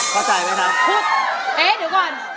เพื่อจะไปชิงรางวัลเงินล้าน